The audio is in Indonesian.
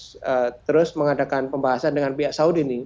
apakah mereka harus terus mengadakan pembahasan dengan pihak saudi ini